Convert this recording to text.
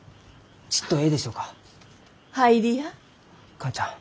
母ちゃん。